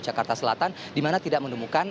jakarta selatan dimana tidak menemukan